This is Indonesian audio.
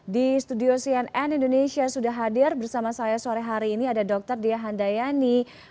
di studio cnn indonesia sudah hadir bersama saya sore hari ini ada dr dia handayani